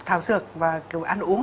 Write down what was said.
thảo sược và kiểu ăn uống